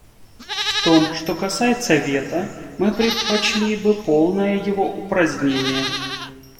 В том, что касается вето, мы предпочли бы полное его упразднение.